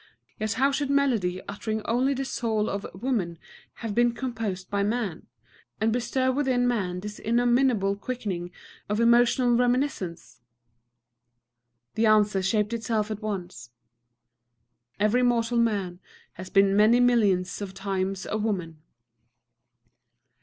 Yet how should melody uttering only the soul of woman have been composed by man, and bestir within man this innominable quickening of emotional reminiscence?" The answer shaped itself at once, "_Every mortal man has been many millions of times a woman.